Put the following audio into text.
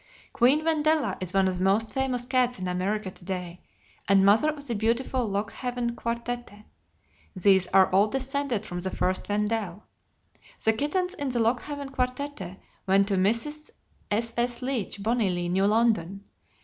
Queen Wendella is one of the most famous cats in America to day, and mother of the beautiful Lockehaven Quartette. These are all descended from the first Wendell. The kittens in the Lockehaven Quartette went to Mrs. S.S. Leach, Bonny Lea, New London, Ct.